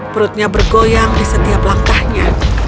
perutnya bergoyang di setiap langkahnya